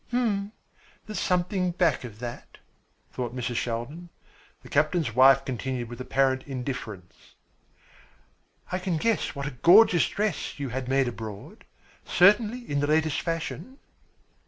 "Hm, there's something back of that," thought Mrs. Shaldin. The captain's wife continued with apparent indifference: "I can guess what a gorgeous dress you had made abroad. Certainly in the latest fashion?"